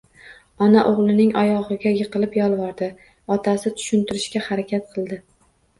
Ona o`g`lining oyog`iga yiqilib yolvordi, otasi tushuntirishga harakat qildi